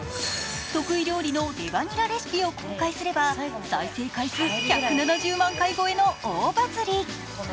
得意料理のレバニラレシピを公開すれば再生回数１７０万回超えの大バズり。